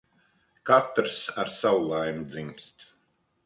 Katrs ar savu laimi dzimst.